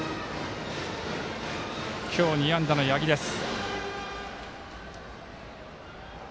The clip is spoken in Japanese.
今日２安打の八木です。